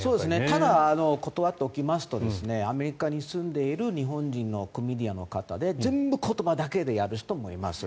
ただ、断っておきますとアメリカに住んでいる日本人のコメディアンの方で全部言葉だけでやる人もいます。